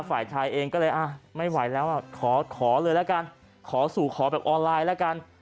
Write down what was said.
ฝ่ายชายเองก็เลยอ่ะไม่ไหวแล้วอ่ะขอเลยละกันขอสู่ขอแบบออนไลน์แล้วกัน